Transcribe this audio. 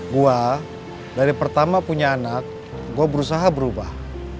gue dari pertama punya anak gue berusaha berubah